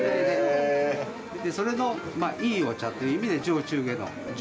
それのいいお茶という意味で上中下の上。